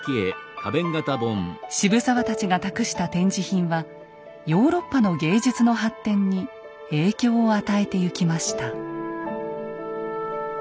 渋沢たちが託した展示品はヨーロッパの芸術の発展に影響を与えてゆきました。